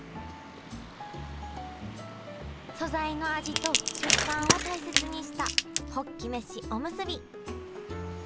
素材の味と食感を大切にしたホッキ飯おむすび。